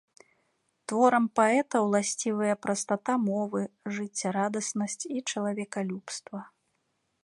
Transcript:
Творам паэта ўласцівыя прастата мовы, жыццярадаснасць і чалавекалюбства.